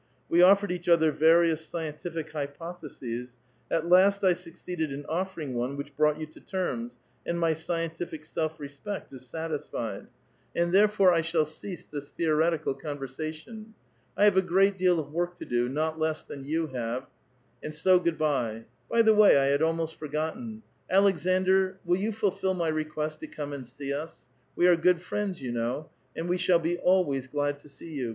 We offered each other various scientific hypotheses ; at last 1 succeeded in offering one which brought yon to terms, and my scientific self i*espect is satisfied. And therefore I shall A VITAL QUESTION. 268 cease this theoretical conversation. I have a great deal of ^ork to do, not less than you have, and so do sviddnya. By tUe way, I had almost forgotten ; Aleksandr will you fulfil my r^q^uest to come and see us ; we are good friends, you know ; *uci we shall be always glad to see you.